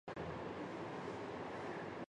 乌日人口变化图示